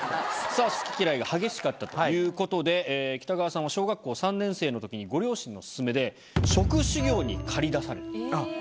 さぁ好き嫌いが激しかったということで北川さんは小学校３年生の時にご両親の勧めで。に駆り出される。